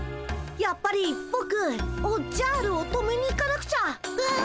やっぱりぼくおっじゃるを止めに行かなくちゃ！わ！